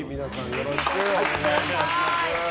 よろしくお願いします。